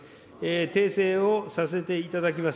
訂正をさせていただきます。